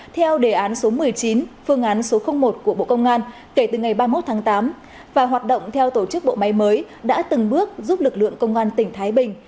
theo đề án số một mươi chín phương án số một của bộ công an kể từ ngày ba mươi một tháng tám và hoạt động theo tổ chức bộ máy mới đã từng bước giúp lực lượng công an tỉnh thái bình